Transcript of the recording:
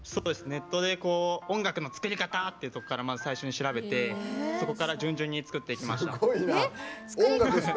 ネットで音楽の作り方っていうところからまず最初に調べてそこから順々に作っていきました。